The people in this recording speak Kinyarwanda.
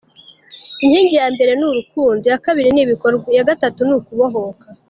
Inkingi ya mbere ni urukundo, iya kabiri ni ibikorwa, iya gatatu ni ukubohoka.